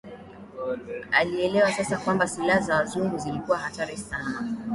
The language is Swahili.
Alielewa sasa kwamba silaha za Wazungu zilikuwa hatari sana